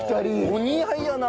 お似合いやな！